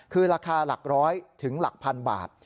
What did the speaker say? คือราคาหลักร้อยถึงหลักพันบาท